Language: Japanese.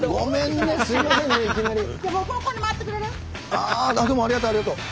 ああでもありがとうありがとう。